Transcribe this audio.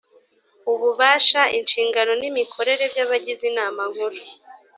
ububasha inshingano n’imikorere by’abagize inama nkuru